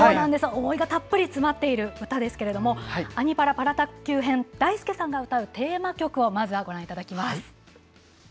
思いがたっぷり詰まっている歌なんですが「アニ×パラ」パラ卓球編だいすけさんが歌うテーマ曲まずご覧いただきます。